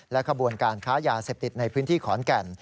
ขบวนการค้ายาเสพติดในพื้นที่ขอนแก่น